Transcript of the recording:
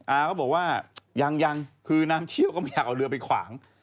อาก็บอกว่ายังยังคือน้ำเชี่ยวก็ไม่อยากเอาเรือไปขวาง